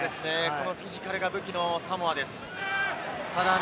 フィジカルが武器のサモアです。